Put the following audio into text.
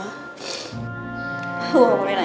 ini nyakitin gue banget tuh lan